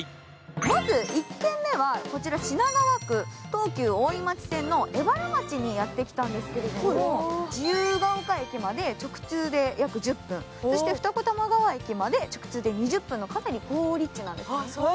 まず１軒目はこちら、品川区東武大井町線の荏原町にやってきたんですけれども、自由が丘駅まで直通で８分、そして二子玉川駅まで直通で２０分のかなり好立地なんです。